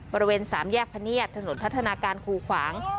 บริเวณสามแยกพะเนียดถนนพัฒนาการคูขวาง